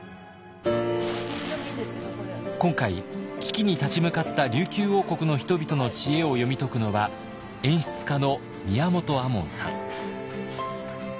今回危機に立ち向かった琉球王国の人々の知恵を読み解くのは演出家の宮本亞門さん。